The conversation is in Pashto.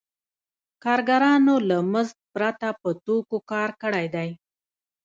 کارګرانو له مزد پرته په توکو کار کړی دی